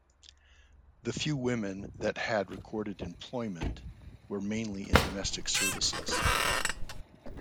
The few women that had recorded employment were mainly in domestic services.